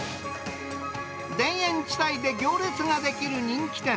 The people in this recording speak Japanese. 田園地帯で行列が出来る人気店。